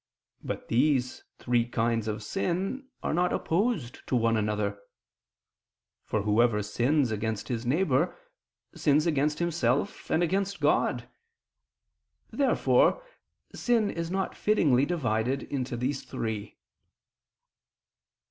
But these three kinds of sin are not opposed to one another: for whoever sins against his neighbor, sins against himself and against God. Therefore sin is not fittingly divided into these three.